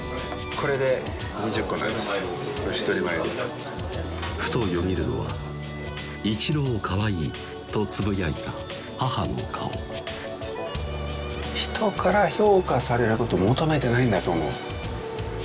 これ１人前ですふとよぎるのは「伊知朗かわいい」とつぶやいた母の顔人から評価されることを求めてないんだと思う